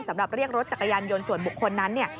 สำหรับเรียกรถจักรยานยนต์ส่วนบกคนนั้น